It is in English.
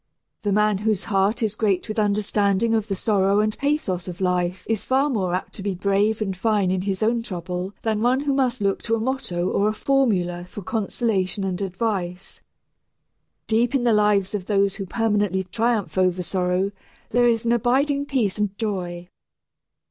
The man whose heart is great with understanding of the sorrow and pathos of life is far more apt to be brave and fine in his own trouble than one who must look to a motto or a formula for consolation and advice. Deep in the lives of those who permanently triumph over sorrow there is an abiding peace and joy.